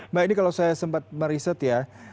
mbak ini kalau saya sempat meriset ya